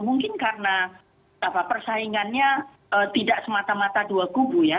mungkin karena persaingannya tidak semata mata dua gugu ya